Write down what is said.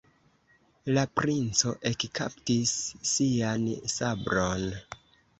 La princo ekkaptis sian sabron.